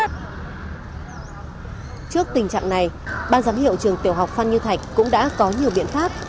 trước tình trạng này ban giám hiệu trường tiểu học phan như thạch cũng đã có nhiều biện pháp